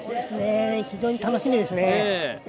非常に楽しみですね。